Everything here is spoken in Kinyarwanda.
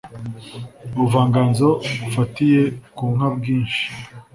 ubuvanganzo bufatiye ku nka bwinshi